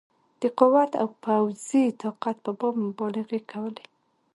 د قوت او پوځي طاقت په باب مبالغې کولې.